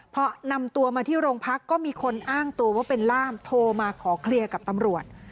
พอนำตัวมาที่โรงพักก็มีคนอ้างตัวว่าเป็นล่ามโทรมาขอเคลียร์กับตำรวจ